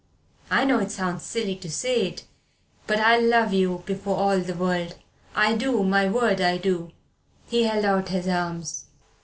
I know it sounds silly to say it but I love you before all the world I do my word I do!" He held out his arms.